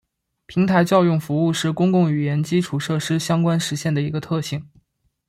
平台叫用服务是公共语言基础设施相关实现的一个特性。